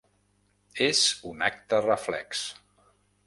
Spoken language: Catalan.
És un acte reflex.